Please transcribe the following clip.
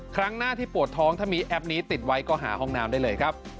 ครั้งหน้าที่ปวดท้องถ้ามีแอปนี้ติดไว้ก็หาห้องน้ำได้เลยครับ